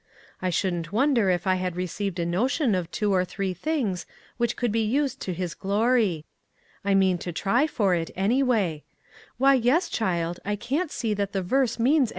I shouldn't wonder if I had received a notion of two or three things which could be used to His glory. I mean to try for it, anyway. Why, yes, child, I can't see that the verse means SEVERAL STARTLING POINTS.